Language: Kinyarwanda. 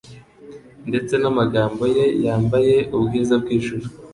ndetse n'amagambo ye, yambaye ubwiza bw'ijuru